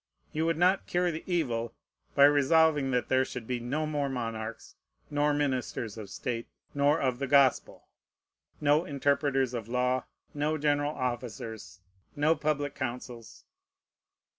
You would not cure the evil by resolving that there should be no more monarchs, nor ministers of state, nor of the Gospel, no interpreters of law, no general officers, no public councils.